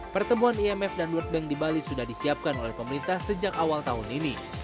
pertemuan imf dan world bank di bali sudah disiapkan oleh pemerintah sejak awal tahun ini